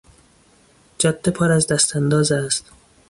جاده پر از دستانداز است.